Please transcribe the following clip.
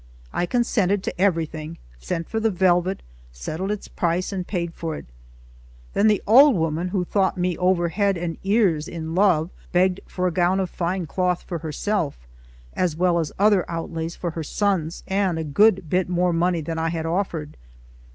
I consented to everything, sent for the velvet, settled its price and paid for it; then the old woman, who thought me over head and ears in love, begged for a gown of fine cloth for herself, as well as other outlays for her sons, and a good bit more money than I had offered.